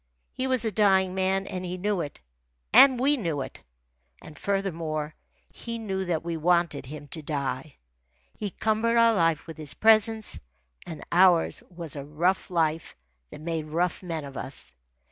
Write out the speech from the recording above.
He was a dying man, and he knew it, and we knew it. And furthermore, he knew that we wanted him to die. He cumbered our life with his presence, and ours was a rough life that made rough men of us.